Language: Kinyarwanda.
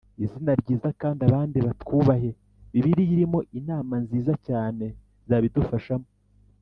izina ryiza kandi abandi batwubahe bibiliya irimo inama nziza cyane zabidufashamo